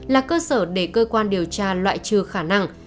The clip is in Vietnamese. là cơ sở để cơ quan điều tra loại trừ khả năng